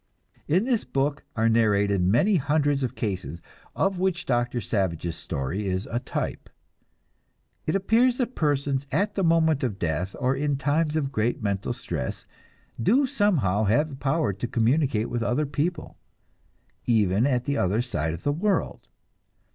In this book are narrated many hundreds of cases, of which Doctor Savage's story is a type. It appears that persons at the moment of death, or in times of great mental stress, do somehow have the power to communicate with other people, even at the other side of the world.